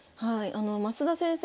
増田先生